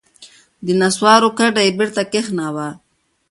د نسوارو کډه یې بېرته کښېناوه.